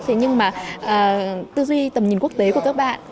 thế nhưng mà tư duy tầm nhìn quốc tế của các bạn